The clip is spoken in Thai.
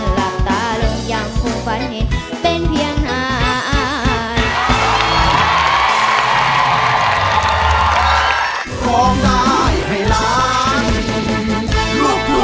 หลากตาลงยังหูฟันเห็นเป็นเพียงหาย